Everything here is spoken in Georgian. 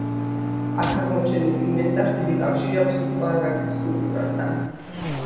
აქ აღმოჩენილ ინვენტარს დიდი კავშირი აქვს მტკვარ-არაქსის კულტურასთან.